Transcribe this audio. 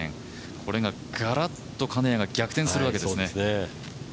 これがガラッと金谷が逆転するわけですね。